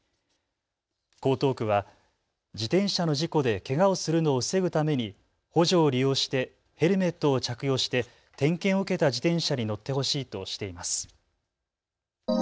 江東区は自転車の事故でけがをするのを防ぐために補助を利用してヘルメットを着用して点検を受けた自転車に乗ってほしいとしています。